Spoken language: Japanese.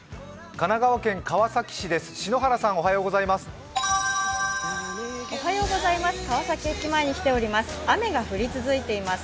神奈川県川崎市です、篠原さんおはようございます。